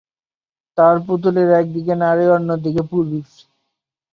তার পুতুলের একদিকে নারী অন্য দিকে পুরুষ।